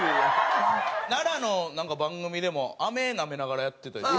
奈良のなんか番組でも飴なめながらやってたりとか。